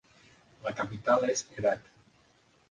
La capital és Herat.